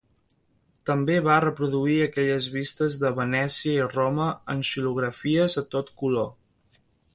També va reproduir aquelles vistes de Venècia i Roma en xilografies a tot color.